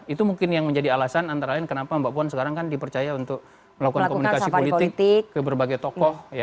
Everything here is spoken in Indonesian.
itu mungkin yang menjadi alasan antara lain kenapa mbak puan sekarang kan dipercaya untuk melakukan komunikasi politik ke berbagai tokoh